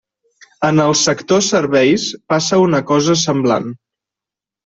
En el sector serveis passa una cosa semblant.